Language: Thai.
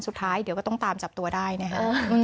สุดท้ายเดี๋ยวก็ต้องตามจับตัวได้นะฮะ